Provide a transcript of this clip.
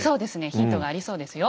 ヒントがありそうですよ。